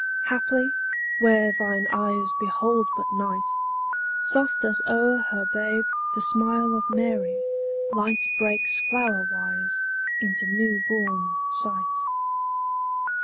Haply, where thine eyes behold but night, Soft as o'er her babe the smile of Mary Light breaks flowerwise into new born sight.